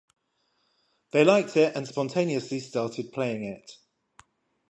They liked it and spontaneously started playing it.